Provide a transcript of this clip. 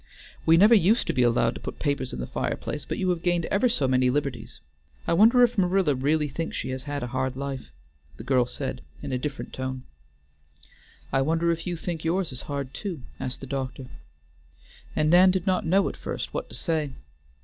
We never used to be allowed to put papers in the fireplace, but you have gained ever so many liberties. I wonder if Marilla really thinks she has had a hard life?" the girl said, in a different tone. "I wonder if you think yours is hard too?" asked the doctor. And Nan did not know at first what to say.